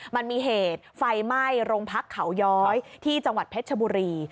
มันมีเหตุไฟไหม้โรงพักเขาย้อยที่จังหวัดเพชรชบุรี